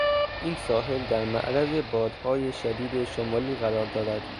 این ساحل در معرض بادهای شدید شمالی قرار دارد.